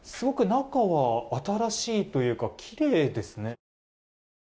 中は、新しいというかきれいですね。